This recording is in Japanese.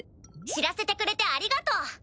知らせてくれてありがとう！